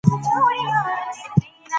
نوې لغات جوړول پکې اسان دي.